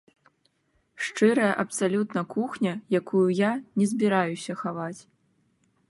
Шчырая абсалютна кухня, якую я не збіраюся хаваць.